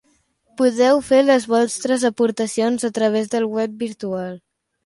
Podeu fer les vostres aportacions a través del web virtual.